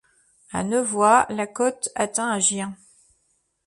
À Nevoy, la cote atteint à Gien.